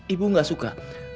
ibu nggak suka